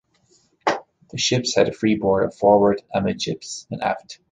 The ships had a freeboard of forward, amidships, and aft.